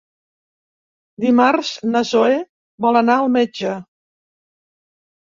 Dimarts na Zoè vol anar al metge.